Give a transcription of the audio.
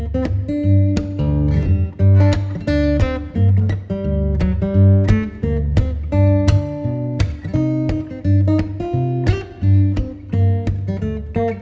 waalaikumsalam pak al